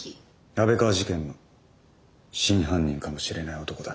安倍川事件の真犯人かもしれない男だ。